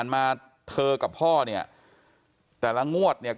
ความปลอดภัยของนายอภิรักษ์และครอบครัวด้วยซ้ำ